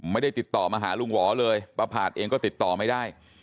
ไม่ได้ติดต่อมาหาลุงหวอเลยป้าผาดเองก็ติดต่อไม่ได้